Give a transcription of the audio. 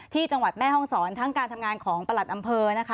ที่จังหวัดแม่ห้องศรทั้งการทำงานของประหลัดอำเภอนะคะ